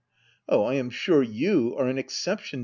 Oh, I am sure you are an exception.